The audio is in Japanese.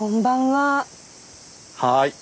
はい。